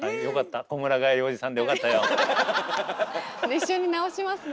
一緒になおしますね。